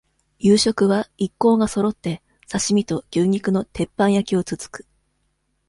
夕食は、一行がそろって、刺身と、牛肉の鉄板焼きをつつく。